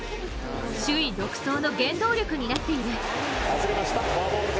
首位独走の原動力になっている。